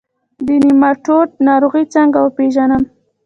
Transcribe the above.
د نیماټوډ ناروغي څنګه وپیژنم؟